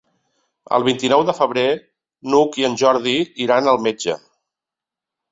El vint-i-nou de febrer n'Hug i en Jordi iran al metge.